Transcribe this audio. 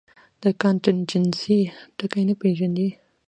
او کانټنجنسي ټکے نۀ پېژني -